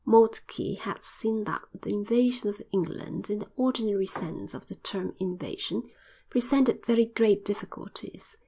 Moltke had seen that the invasion of England (in the ordinary sense of the term invasion) presented very great difficulties.